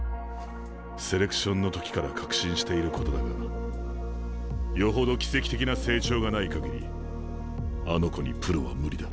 セレクションの時から確信していることだがよほど奇跡的な成長がない限りあの子にプロは無理だ。